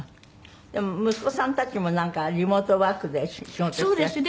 でも息子さんたちもなんかリモートワークで仕事してらして？